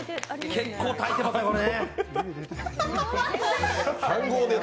結構、炊いてますね、これ。